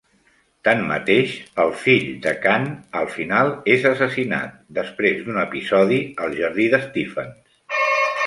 Tanmateix, el fill de Khan al final és assassinat, després d'un episodi al jardí d'Stephens.